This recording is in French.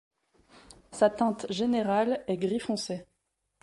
Sa teinte générale est gris foncé.